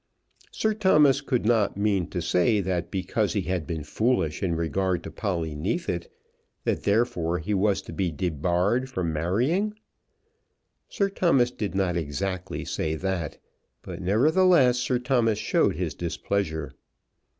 Sir Thomas could not mean to say that because he had been foolish in regard to Polly Neefit, that therefore he was to be debarred from marrying! Sir Thomas did not exactly say that; but, nevertheless, Sir Thomas showed his displeasure.